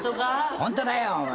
ホントだよお前。